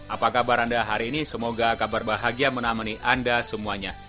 apa kabar anda hari ini semoga kabar bahagia menemani anda semuanya